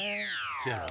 せやろ？